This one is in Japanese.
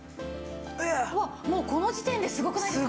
うわっもうこの時点ですごくないですか！？